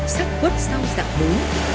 sắp quất sau dạng bú